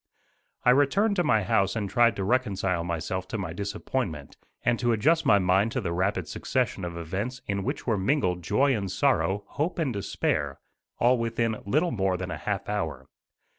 I returned to my house and tried to reconcile myself to my disappointment, and to adjust my mind to the rapid succession of events in which were mingled joy and sorrow, hope and despair, all within little more than a half hour.